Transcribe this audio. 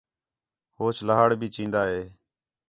ہوچ لہاڑ بھی چین٘دا ہِے